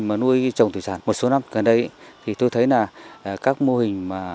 một số năm gần đây tôi thấy các mô hình